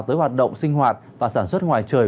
tới hoạt động sinh hoạt và sản xuất ngoài trời